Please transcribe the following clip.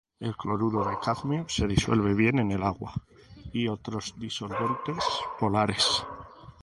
El cloruro de cadmio se disuelve bien en agua y otros disolventes polares.